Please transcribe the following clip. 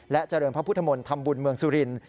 เจริญพระพุทธมนตร์ทำบุญเมืองสุรินทร์